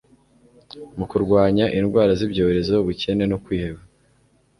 mu kurwanya indwara z'ibyorezo, ubukene no kwiheba